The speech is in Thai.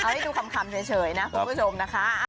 เอาให้ดูคำเฉยนะคุณผู้ชมนะคะ